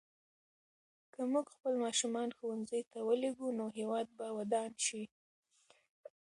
که موږ خپل ماشومان ښوونځي ته ولېږو نو هېواد به ودان شي.